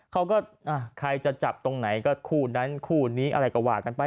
เขาก็ใครจะจับตรงไหนก็คู่นั้นคู่นี้อะไรก็ว่ากันไป